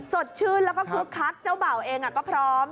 สดชื่นแล้วก็คึกคักเจ้าเบ่าเองก็พร้อม